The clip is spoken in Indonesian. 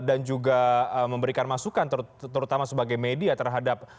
dan juga memberikan masukan terutama sebagai media terhadap